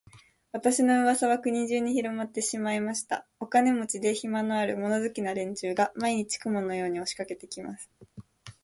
私の噂は国中にひろまってしまいました。お金持で、暇のある、物好きな連中が、毎日、雲のように押しかけて来ます。